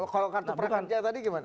kalau kartu prakerja tadi gimana